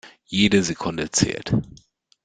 Jede Sekunde zählt.